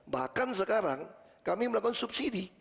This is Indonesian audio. bahkan sekarang kami melakukan subsidi